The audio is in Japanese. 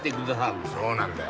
そうなんだよ。